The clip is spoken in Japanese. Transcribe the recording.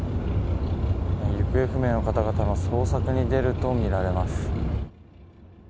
行方不明の方々の捜索に出るとみられます。